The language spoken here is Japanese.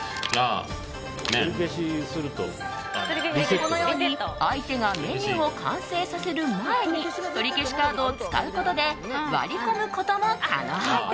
このように相手がメニューを完成させる前にとりけしカードを使うことで割り込むことも可能。